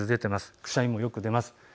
くしゃみもよく出ています。